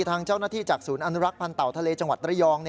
ทางเจ้าหน้าที่จากศูนย์อนุรักษ์พันธ์เต่าทะเลจังหวัดระยอง